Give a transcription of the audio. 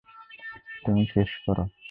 তুমি শেষ কর।